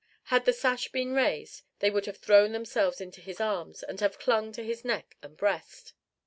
Had the sash been raised, they would have thrown themselves into his arms and have clung to his neck and breast.